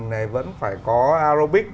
này vẫn phải có aerobics